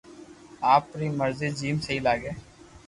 آپ ري مرزو جيم سھي لاگي